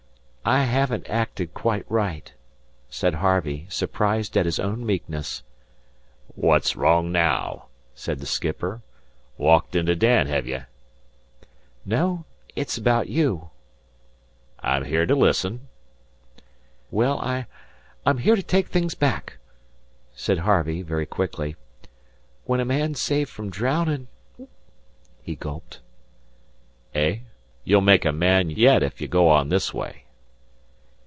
"I haven't acted quite right," said Harvey, surprised at his own meekness. "What's wrong naow?" said the skipper. "Walked into Dan, hev ye?" "No; it's about you." "I'm here to listen." "Well, I I'm here to take things back," said Harvey very quickly. "When a man's saved from drowning " he gulped. "Ey? You'll make a man yet ef you go on this way."